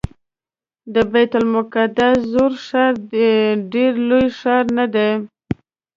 د بیت المقدس زوړ ښار ډېر لوی ښار نه دی.